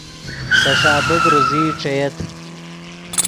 سے ݰابیک روزئی ݯییت